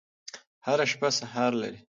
هره شپه سهار لري.